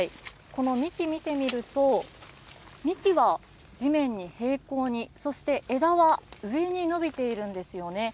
この幹、見てみると幹は地面に平行にそして枝は上に伸びているんですよね。